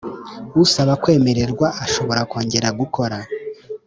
Usaba kwemererwa ashobora kongera gukora